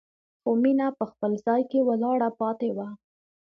خو مينه په خپل ځای کې ولاړه پاتې وه.